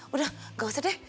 udah gak usah deh